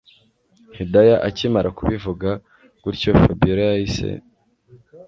Hidaya akimara kubivuga guntyo Fabiora yahise